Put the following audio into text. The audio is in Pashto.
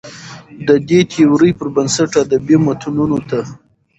د دې تيورۍ پر بنسټ ادبي متونو ته